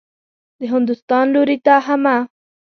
د هندوستان لوري ته حمه.